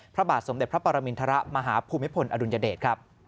พระบาทสมเด็จพระปรมินทรมาหาภูมิพลอดุลยเดชครับ